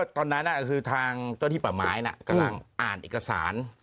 ตอนนั้นคือทางเจ้าที่ป่าไม้กำลังอ่านเอกสาร